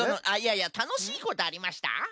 あいやいやたのしいことありました？